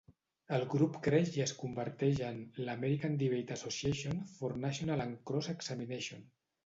El grup creix i es converteix en l'American Debate Association for National and Cross Examination.